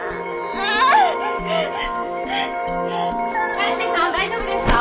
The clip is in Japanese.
成瀬さん大丈夫ですか？